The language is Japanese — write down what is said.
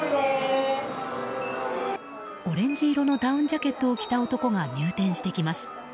オレンジ色のダウンジャケットを着た男が入店してきます。